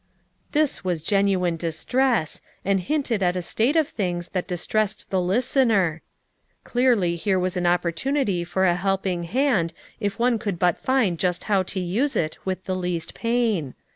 This was genuine distress, and hinted at a state of things that distressed the listener; clearly here was an opportunity for a helping hand if one could hut find just how to use it with the least pain.